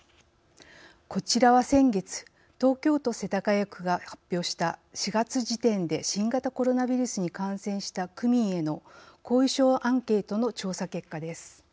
こちらは先月東京都世田谷区が発表した４月時点で新型コロナウイルスに感染した区民への後遺症アンケートの調査結果です。